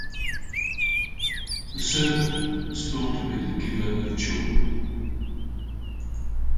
The serpent was thought to be the giver of children.